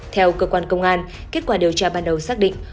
theo cơ quan công an kết quả điều tra ban đầu xác định